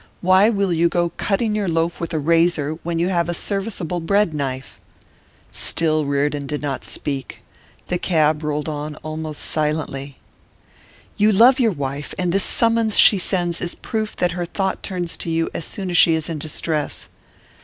Why will you go cutting your loaf with a razor when you have a serviceable bread knife?' Still Reardon did not speak. The cab rolled on almost silently. 'You love your wife, and this summons she sends is proof that her thought turns to you as soon as she is in distress.